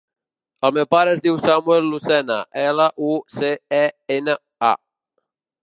El meu pare es diu Samuel Lucena: ela, u, ce, e, ena, a.